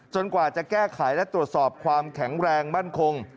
กว่าจะแก้ไขและตรวจสอบความแข็งแรงมั่นคง